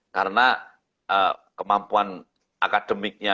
karena kemampuan akademiknya